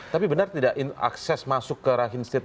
tapi benar tidak akses masuk ke rahim state